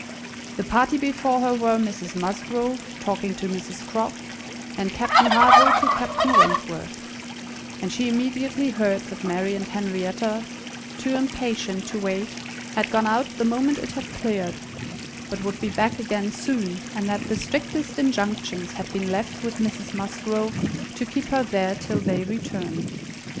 The party before her were, Mrs Musgrove, talking to Mrs Croft, and Captain Harville to Captain Wentworth; and she immediately heard that Mary and Henrietta, too impatient to wait, had gone out the moment it had cleared, but would be back again soon, and that the strictest injunctions had been left with Mrs Musgrove to keep her there till they returned.